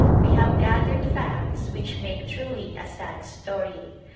We have gathered facts which make truly a sad story.